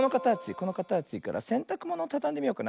このかたちからせんたくものをたたんでみようかな。